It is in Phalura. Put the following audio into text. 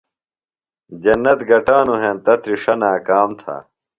جنت گٹانوۡ ہینتہ تِرݜہ ناکام تھہ۔